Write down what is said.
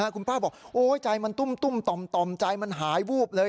คุณป้าบอกโอ๊ยใจมันตุ้มต่อมใจมันหายวูบเลย